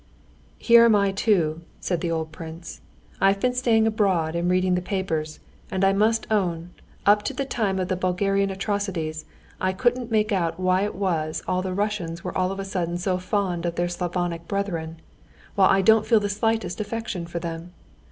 "Here am I too," said the old prince. "I've been staying abroad and reading the papers, and I must own, up to the time of the Bulgarian atrocities, I couldn't make out why it was all the Russians were all of a sudden so fond of their Slavonic brethren, while I didn't feel the slightest affection for them.